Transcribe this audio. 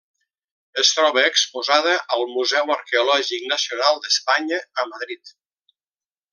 Es troba exposada al Museu Arqueològic Nacional d'Espanya a Madrid.